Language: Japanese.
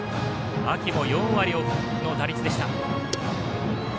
秋も４割の打率でした。